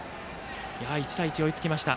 １対１と追いつきました。